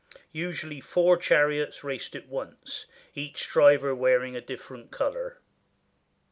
Usually four chariots raced at once, each driver wearing a different color.